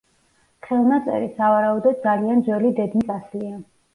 ხელნაწერი, სავარაუდოდ, ძალიან ძველი დედნის ასლია.